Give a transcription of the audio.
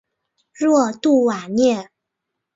若杜瓦涅。